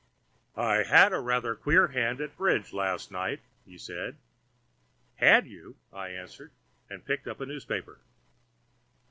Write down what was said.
"I had a rather queer hand at bridge last night," he said. "Had you?" I answered, and picked up a newspaper.